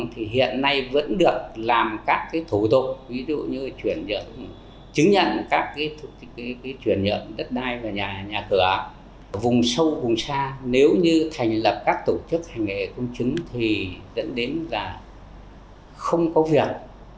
tại các địa phương vùng sâu vùng xa nếu như thành lập các tổ chức hành nghề công chứng thì dẫn đến là không có việc